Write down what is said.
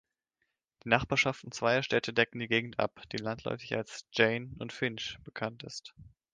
Die Nachbarschaften zweier Städte decken die Gegend ab, die landläufig als „Jane und Finch“ bekannt ist.